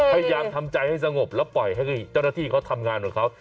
พยายามทำใจให้สงบแล้วปล่อยให้เจ้าหน้าที่เขาทำงานของเขา